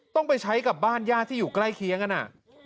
ต้องไปใช้กับบ้านญาติที่อยู่ใกล้เคียงกันอ่ะ